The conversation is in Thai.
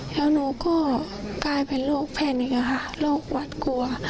แล้วหนูก็กลายเป็นโรคแพนิกค่ะโรคหวัดกลัว